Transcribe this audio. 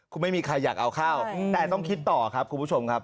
คุณไม่มีใครอยากเอาข้าวแต่ต้องคิดต่อครับคุณผู้ชมครับ